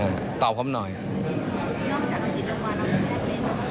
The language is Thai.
นี่นอกจากว่าพยาบาลมะมรดมารับไปหรือเปล่า